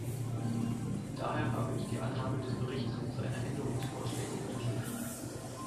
Daher habe ich die Annahme des Berichts und seiner Änderungsvorschläge unterstützt.